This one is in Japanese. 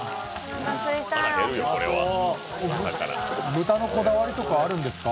豚のこだわりとかあるんですか？